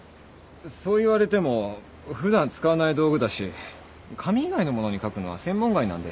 そう言われても普段使わない道具だし紙以外のものに書くのは専門外なんで。